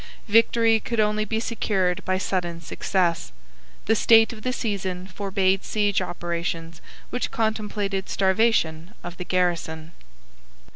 Victory could only be secured by sudden success. The state of the season forbade siege operations which contemplated starvation of the garrison.